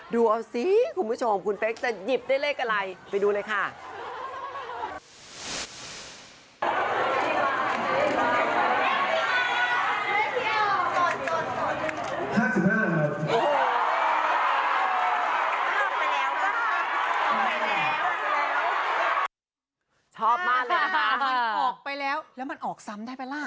ดูเอาสิคุณผู้ชมคุณเป๊กจะหยิบได้เลขอะไรไปดูเลยค่ะ